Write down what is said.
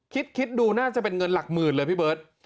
คิดดูน่าจะเป็นเงินหลักหมื่นเลยพี่เบิร์ต